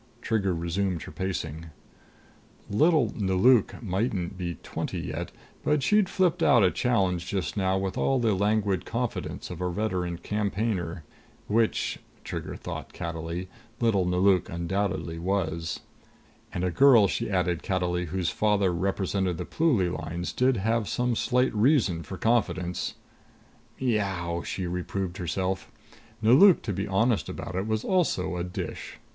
Trigger resumed her pacing. Little Nelauk mightn't be twenty yet, but she'd flipped out a challenge just now with all the languid confidence of a veteran campaigner. Which, Trigger thought cattily, little Nelauk undoubtedly was. And a girl, she added cattily, whose father represented the Pluly Lines did have some slight reason for confidence.... "Miaow!" she reproved herself. Nelauk, to be honest about it, was also a dish.